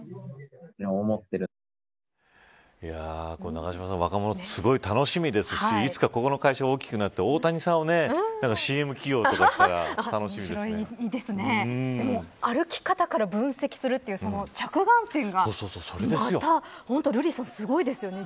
永島さん、若者すごい楽しみですし、いつかこの会社が大きくなって大谷さんをＣＭ起用とかしたら歩き方から分析するという着眼点がまた本当瑠璃さんすごいですよね。